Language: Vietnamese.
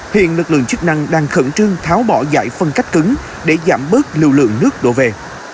hiện lực lượng chức năng đang khẩn trương tháo bỏ giải phân cách cứng để giảm bớt lưu lượng nước đổ về